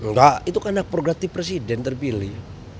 enggak itu karena progratif presiden terpilih